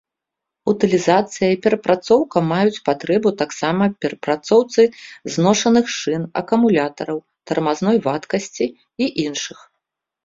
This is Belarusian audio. Утылізацыя і перапрацоўка маюць патрэбу таксама перапрацоўцы зношаных шын, акумулятараў, тармазной вадкасці і іншых.